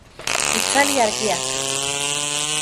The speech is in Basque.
Itzali argiak